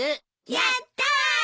やったー！